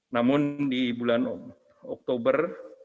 namun di bulan oktober